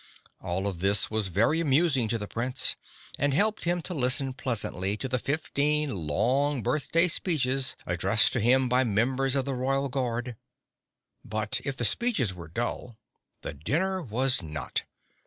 All of this was very amusing to the Prince, and helped him to listen pleasantly to the fifteen long birthday speeches addressed to him by members of the Royal Guard. But if the speeches were dull, the dinner was not.